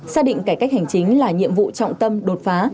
xác định cải cách hành chính là nhiệm vụ trọng tâm đột phá